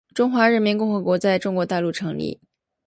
中华民国在中国大陆成立